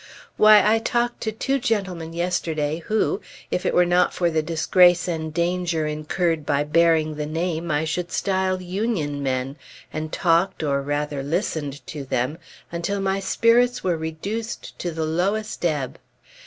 Why, I talked to two gentlemen yesterday who, if it were not for the disgrace and danger incurred by bearing the name, I should style Union men, and talked or rather listened to them, until my spirits were reduced to the lowest ebb.